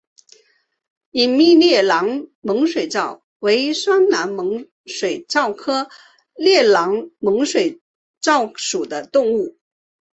隐密裂囊猛水蚤为双囊猛水蚤科裂囊猛水蚤属的动物。